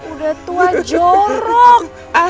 udah tua jorok